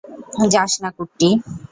যাস না, কুট্টি।